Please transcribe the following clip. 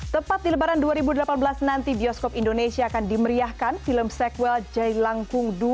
tepat di lebaran dua ribu delapan belas nanti bioskop indonesia akan dimeriahkan film sequel jailangkung dua